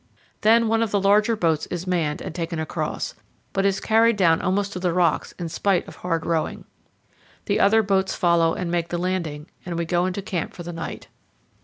Then one of the larger boats is manned and taken across, but is carried down almost to the rocks in spite of hard rowing. The other boats follow and make the landing, and we go into camp for the night.